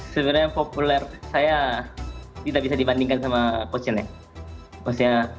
sebenarnya populer saya tidak bisa dibandingkan sama coach nya